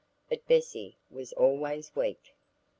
But Bessy was always weak!